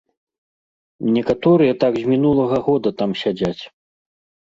Некаторыя так з мінулага года там сядзяць.